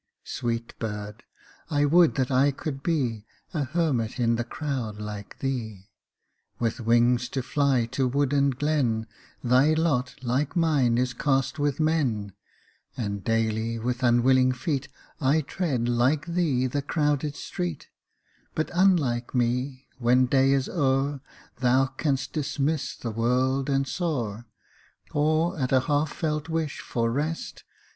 a (89) Sweet bird ! I would that I could be A hermit in the crowd like thee ! With wings to fly to wood and glen, Thy lot, like mine, is .cast with men; And daily, with unwilling feet, 1 tread, like thee, the crowded street ; But, unlike me, when day is o'er. Thou canst dismiss the world and soar, Or, at a half felt wish for rest.